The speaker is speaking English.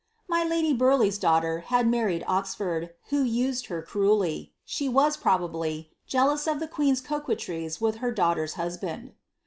(My lady Burleigh's daughter had married Oxford, who used her cruelly ; she was, probably, jealous of the queen's coquetries with her daughter's husband.)